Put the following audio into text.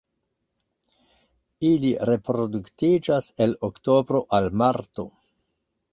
Ili reproduktiĝas el oktobro al marto.